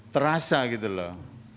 terasa gitu loh